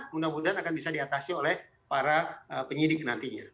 mudah mudahan akan bisa diatasi oleh para penyidik nantinya